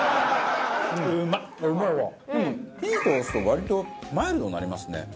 火通すと割とマイルドになりますね。